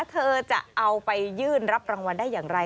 เธอจะเอาไปยื่นรับรางวัลได้อย่างไร